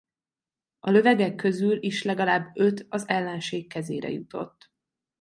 A lövegek közül is legalább öt az ellenség kezére jutott.